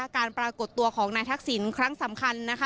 ปรากฏตัวของนายทักษิณครั้งสำคัญนะคะ